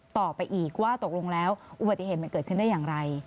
ต่อไปอีกว่าตกลงแล้วอุบัติเหตุมันเกิดขึ้นได้อย่างไร